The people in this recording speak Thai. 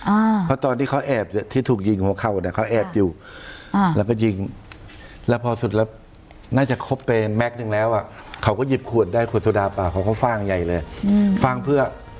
อ่าเพราะตอนที่เขาแอบที่ถูกยิงของเขาเนี่ยเขาแอบอยู่อ่าแล้วก็ยิงแล้วพอสุดแล้วน่าจะครบไปแม็กซนึงแล้วอ่ะเขาก็หยิบขวดได้ขวดโซดาเปล่าเขาก็ฟ่างใหญ่เลยอืมฟ่างเพื่อ